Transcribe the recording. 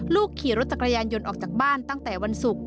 ขี่รถจักรยานยนต์ออกจากบ้านตั้งแต่วันศุกร์